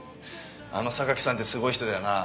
あの榊さんってすごい人だよなあ。